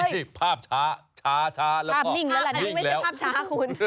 นี่ภาพช้าช้าแล้วภาพนิ่งแล้วแหละแต่นี่ไม่ใช่ภาพช้าคุณ